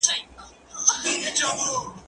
زه اوږده وخت انځور ګورم وم؟